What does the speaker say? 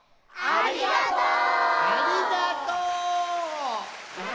ありがとう！